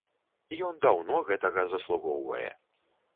Ён даўно гэтага заслугоўвае.